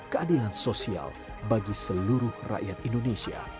keadilan sosial bagi seluruh rakyat indonesia